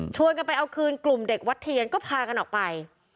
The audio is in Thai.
กันไปเอาคืนกลุ่มเด็กวัดเทียนก็พากันออกไป